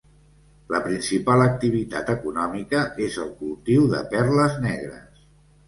La principal activitat econòmica és el cultiu de perles negres.